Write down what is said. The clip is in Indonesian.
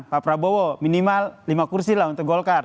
pak prabowo minimal lima kursi lah untuk golkar